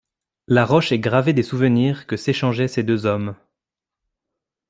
La roche est gravée des souvenirs que s’échangeaient ces deux hommes.